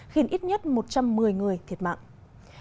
khiến ít nhất một trăm một mươi một người thiệt mạng ở nigeria